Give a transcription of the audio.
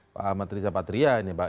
pak amatrisah patria ini pak